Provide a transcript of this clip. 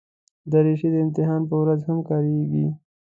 دریشي د امتحان پر ورځ هم کارېږي.